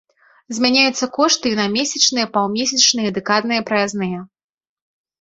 Змяняюцца кошты і на месячныя, паўмесячныя і дэкадныя праязныя.